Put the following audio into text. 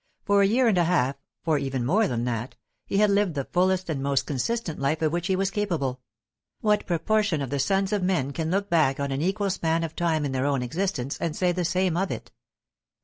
For a year and a half, for even more than that, he had lived the fullest and most consistent life of which he was capable; what proportion of the sons of men can look back on an equal span of time in their own existence and say the same of it?